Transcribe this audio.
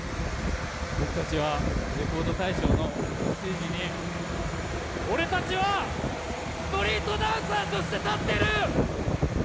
僕たちはレコード大賞のステージに俺たちはストリートダンサーとして立ってる。